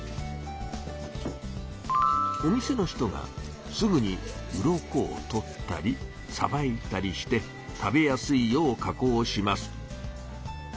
お店の人がすぐにウロコをとったりさばいたりして食べやすいよう加工します。